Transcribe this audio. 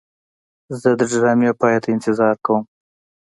زه د ډرامې پای ته انتظار کوم.